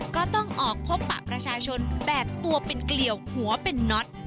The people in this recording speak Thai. ก็ต้องออกพบปะประชาชนแบบตัวเป็นเกลี่ยวหัวเป็นน็อต